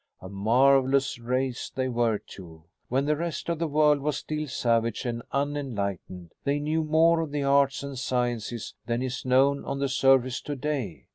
A marvelous race they were, too. When the rest of the world was still savage and unenlightened, they knew more of the arts and sciences than is known on the surface to day.